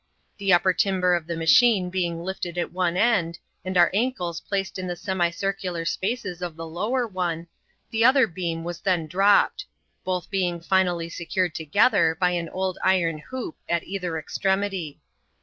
The upper timber of the macliine being lifted at one end, and our ankles placed in the semicircular spaces of the lower one, the other beam WIS then dropped ; both being finally secured together by an old inm hoop at either extremity.